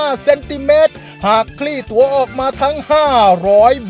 แล้ววันนี้ผมมีสิ่งหนึ่งนะครับเป็นตัวแทนกำลังใจจากผมเล็กน้อยครับ